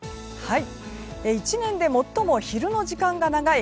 １年で最も昼の時間が長い